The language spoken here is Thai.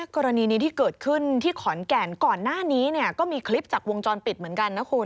กรณีนี้ที่เกิดขึ้นที่ขอนแก่นก่อนหน้านี้เนี่ยก็มีคลิปจากวงจรปิดเหมือนกันนะคุณ